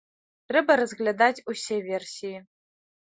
Трэба разглядаць усе версіі.